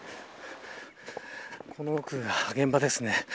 この奥が現場ですね。